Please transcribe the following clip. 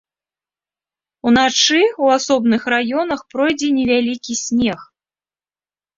Уначы ў асобных раёнах пройдзе невялікі снег.